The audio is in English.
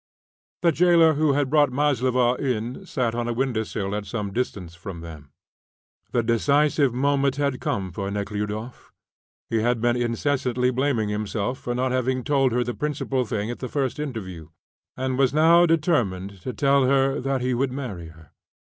The jailer who had brought Maslova in sat on a windowsill at some distance from them. The decisive moment had come for Nekhludoff. He had been incessantly blaming himself for not having told her the principal thing at the first interview, and was now determined to tell her that he would marry her.